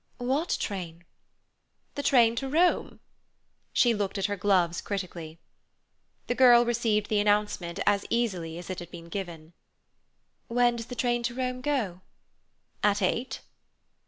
"What train?" "The train to Rome." She looked at her gloves critically. The girl received the announcement as easily as it had been given. "When does the train to Rome go?" "At eight."